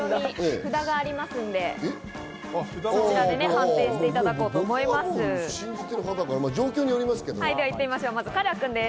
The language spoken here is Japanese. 札がありますので、判定していただこうと思います。